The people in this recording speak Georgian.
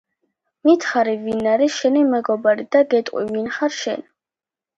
მითხარი ვინ არის შენი მეგობარი და გეტყვი ვინ ხარ შენ